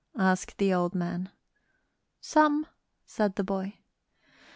asked the old man. "Some," said the boy.